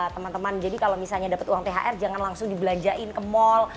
teman teman jadi kalau misalnya dapat uang thr jangan langsung dibelanjain ke mall